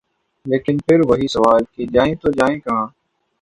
لیکن پھر وہی سوال کہ جائیں تو جائیں کہاں۔